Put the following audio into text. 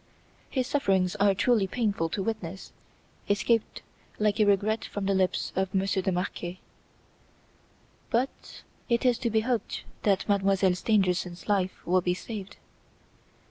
"His sufferings are truly painful to witness," escaped like a regret from the lips of Monsieur de Marquet. "But it is to be hoped that Mademoiselle Stangerson's life will be saved."